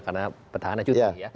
karena pertahanan cuti ya